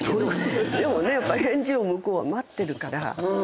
でもね返事を向こうは待ってるから。